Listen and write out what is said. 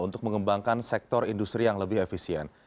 untuk mengembangkan sektor industri yang lebih efisien